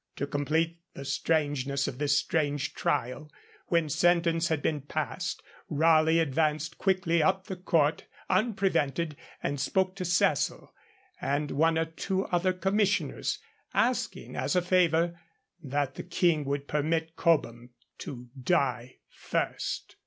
To complete the strangeness of this strange trial, when sentence had been passed, Raleigh advanced quickly up the court, unprevented, and spoke to Cecil and one or two other commissioners, asking, as a favour, that the King would permit Cobham to die first.